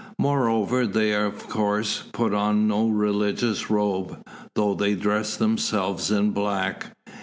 Moreover they of course put on no religious robe, though they dress themselves in black.